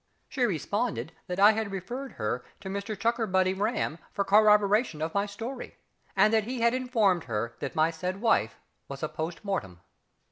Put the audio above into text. She responded that I had referred her to Mr CHUCKERBUTTY RAM for corroboration of my story, and that he had informed her that my said wife was a post mortem.